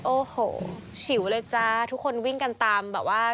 โอ้โหฉิวเลยจ้าทุกคนวิ่งกันตามแบบว่า